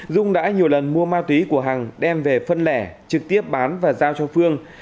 dung đã nhiều lần mua ma túy của hằng đem về phân lẻ trực tiếp bán và giao cho phương